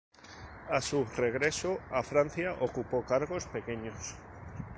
A su regreso a Francia, ocupó cargos pequeños.